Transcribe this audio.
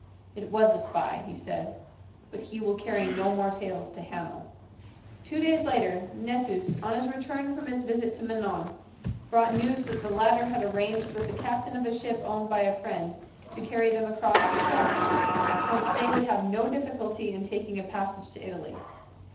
"It was a spy," he said, "but he will carry no more tales to Hanno." Two days later, Nessus, on his return from his visit to Manon, brought news that the latter had arranged with the captain of a ship owned by a friend to carry them across to Corinth, whence they would have no difficulty in taking a passage to Italy.